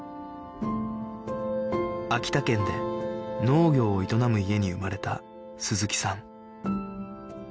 秋田県で農業を営む家に生まれた鈴木さん